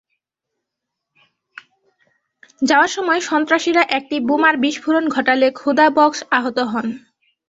যাওয়ার সময় সন্ত্রাসীরা একটি বোমার বিস্ফোরণ ঘটালে খোদা বক্শ আহত হন।